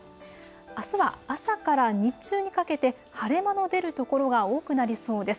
あすは、朝から日中にかけて、晴れ間の出るところが多くなりそうです。